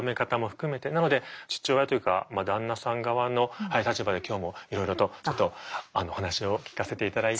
なので父親というか旦那さん側の立場で今日もいろいろとちょっとお話を聞かせて頂いて。